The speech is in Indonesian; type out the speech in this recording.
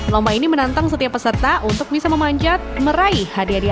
lomba ini menantang setiap peserta untuk bisa memanjat meraih hadiah